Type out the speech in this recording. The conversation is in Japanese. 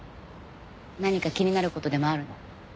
何か気になる事でもあるの？